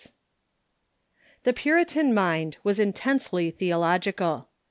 ] The Puritan mind was intensely theological.